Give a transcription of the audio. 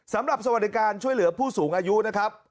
สำหรับสวัสดิการช่วยเหลือผู้สูงอายุนะครับ